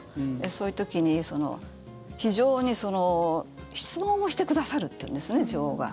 そういう時に、非常に質問をしてくださるっていうんですね、女王が。